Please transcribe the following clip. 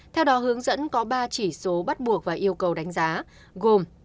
theo đó hướng dẫn có ba chỉ số bắt buộc và yêu cầu đánh giá gồm